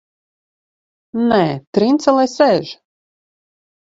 Nē, Trince lai sēž!